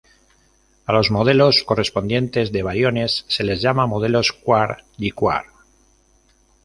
A los modelos correspondientes de bariones se les llama modelos quark–diquark.